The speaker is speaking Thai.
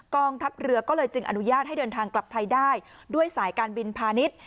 กองทัพเรือก็เลยจึงอนุญาตให้เดินทางกลับไทยได้ด้วยสายการบินพาณิชย์